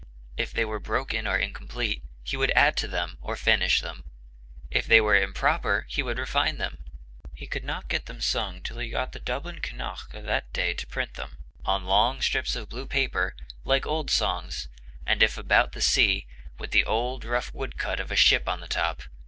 If they were broken or incomplete, he would add to them or finish them; if they were improper he would refine them. He could not get them sung till he got the Dublin Catnach of that day to print them, on long strips of blue paper, like old songs, and if about the sea, with the old rough woodcut of a ship on the top.